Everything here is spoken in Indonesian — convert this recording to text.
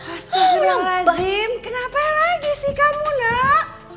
astagfirullahaladzim kenapa lagi sih kamu nak